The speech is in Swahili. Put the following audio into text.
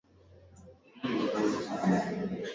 mtangazaji anatakiwa kuwa na maonesho ya aina mbalimbali